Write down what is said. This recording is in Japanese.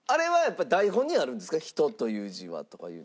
「人という字は」とかいう。